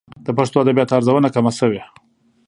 د پښتو ادبياتو ارزونه کمه شوې.